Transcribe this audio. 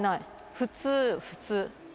普通、普通。